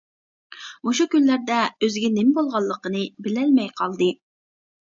مۇشۇ كۈنلەردە ئۆزىگە نېمە بولغانلىقىنى بىلەلمەي قالدى.